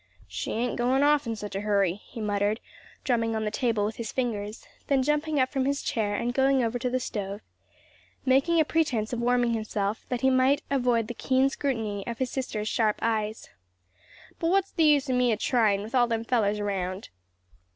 "She ain't goin' off in such a hurry," he muttered, drumming on the table with his fingers; then jumping up from his chair and going over to the stove, making a pretense of warming himself that he might avoid the keen scrutiny of his sister's sharp eyes; "but what's the use o' me a tryin' with all them fellers round?"